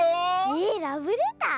えっラブレター？